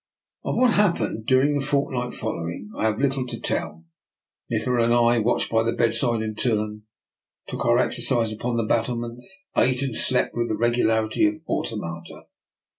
Of what happened during the fortnight following I have little to tell. Nikola and I watched by the bedside in turn, took our ex ercise upon the battlements, ate and slept with the regularity of automata.